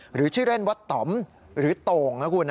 หรือชื่อเล่นวัตตำหรือตงนะคุณ